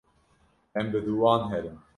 em bi dû wan herin